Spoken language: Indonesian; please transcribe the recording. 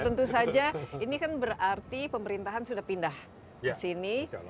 tentu saja ini kan berarti pemerintahan sudah pindah kesini